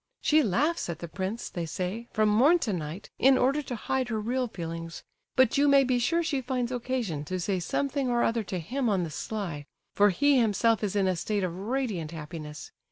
She laughs at the prince, they say, from morn to night in order to hide her real feelings; but you may be sure she finds occasion to say something or other to him on the sly, for he himself is in a state of radiant happiness.